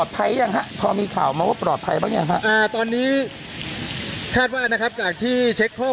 ทางกลุ่มมวลชนทะลุฟ้าทางกลุ่มมวลชนทะลุฟ้า